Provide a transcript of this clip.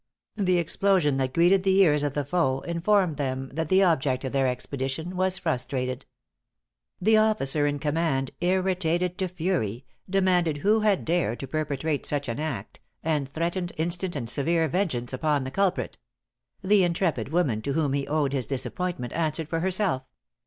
The explosion that greeted the ears of the foe, informed them that the object of their expedition was frustrated. The officer in command, irritated to fury, demanded who had dared to perpetrate such an act, and threatened instant and severe vengeance upon the culprit. The intrepid woman to whom he owed his disappointment answered for herself.